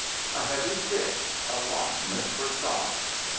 A heavy stick. A fondness for stocks.